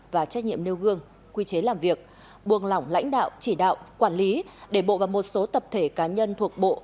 và trách nhiệm nêu gương quy chế làm việc buồng lỏng lãnh đạo chỉ đạo quản lý đề bộ và một số tập thể cá nhân thuộc bộ